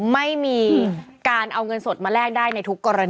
ไม่มีการเอาเงินสดมาแลกได้ในทุกกรณี